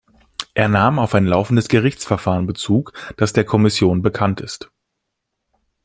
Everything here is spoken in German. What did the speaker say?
Er nahm auf ein laufendes Gerichtsverfahren Bezug, das der Kommission bekann ist.